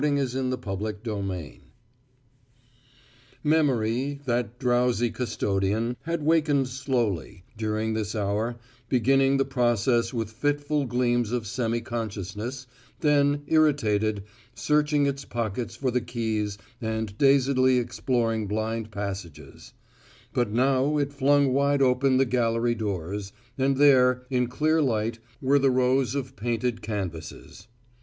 But he knew. CHAPTER NINETEEN Memory, that drowsy custodian, had wakened slowly, during this hour, beginning the process with fitful gleams of semi consciousness, then, irritated, searching its pockets for the keys and dazedly exploring blind passages; but now it flung wide open the gallery doors, and there, in clear light, were the rows of painted canvasses.